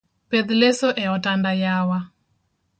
Pedh leso e otanda yawa.